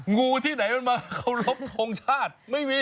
งูที่ไหนมันมาเคารพทงชาติไม่มี